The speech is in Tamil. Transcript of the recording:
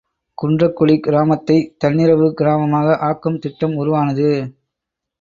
● குன்றக்குடி கிராமத்தைத் தன்னிறைவுக் கிராமமாக ஆக்கும் திட்டம் உருவானது.